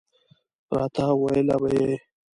راته ویله به یې.